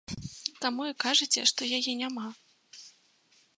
Таму і кажаце, што яе няма!